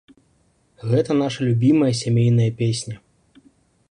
Гэта нашая любімая сямейная песня.